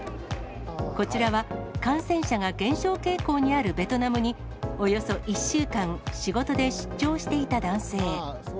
こちらは、感染者が減少傾向にあるベトナムに、およそ１週間、仕事で出張していた男性。